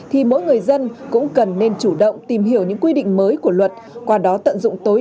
thì mỗi người dân cũng cần nên chủ động tìm hiểu những quy định mới của luật qua đó tận dụng tối